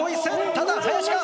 ただ林か？